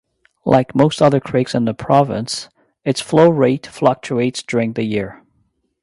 Like most other creeks in the province its flow rate fluctuates during the year.